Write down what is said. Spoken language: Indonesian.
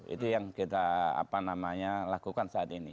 itu yang kita apa namanya lakukan saat ini